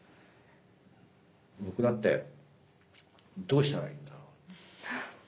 僕だってどうしたらいいんだろう？